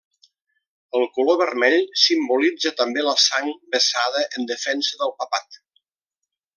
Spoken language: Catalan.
El color vermell simbolitza també la sang vessada en defensa del papat.